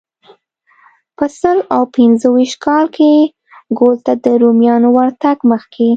په سل او پنځه ویشت کال کې ګول ته د رومیانو ورتګ مخکې.